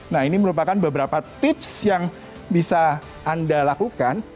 nah ini merupakan beberapa tips yang bisa anda lakukan